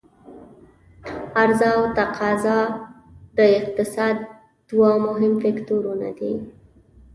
عرضا او تقاضا د اقتصاد دوه مهم فکتورونه دي.